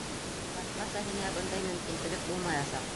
Башҡаса һиңә бындай мөмкинселек булмаясаҡ.